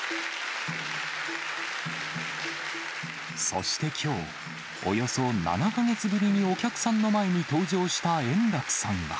そしてきょう、およそ７か月ぶりにお客さんの前に登場した円楽さんは。